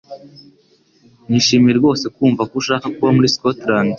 Nishimiye rwose kumva ko ushaka kuba muri Scotland